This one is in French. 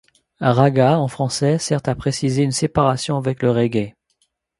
Ragga en français sert à préciser une séparation avec le reggae.